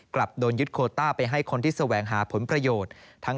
กลับโดนยึดโคต้าไปให้คนที่แสวงหาผลประโยชน์